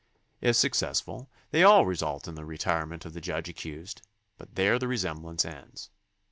If successful, they all result in the re tirement of the judge accused, but there the resemblance ends.